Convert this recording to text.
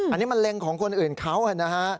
อันนี้มันเล็งของคนอื่นเขานะฮะ